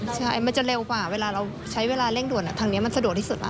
ใช่มันจะเร็วกว่าเวลาเราใช้เวลาเร่งด่วนทางนี้มันสะดวกที่สุดแล้ว